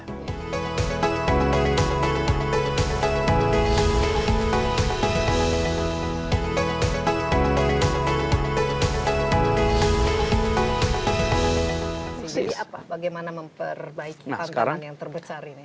jadi apa bagaimana memperbaiki pandangan yang terbesar ini